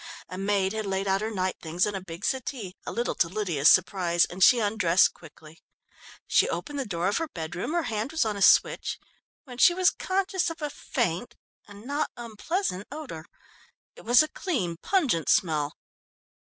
A maid had laid out her night things on a big settee (a little to Lydia's surprise) and she undressed quickly. She opened the door of her bedroom, her hand was on a switch, when she was conscious of a faint and not unpleasant odour. It was a clean, pungent smell.